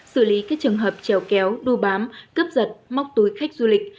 xử lý các trường hợp trèo kéo đu bám cướp giật móc túi khách du lịch